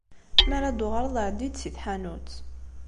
Mi ara d-tuɣaleḍ, ɛeddi-d si tḥanut.